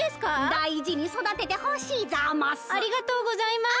だいじにそだててほしいざます。